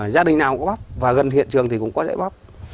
gia đình nào cũng có bắp và gần hiện trường thì cũng có rễ bắp